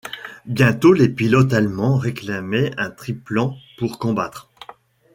Bientôt les pilotes allemands réclamaient un triplan pour combattre.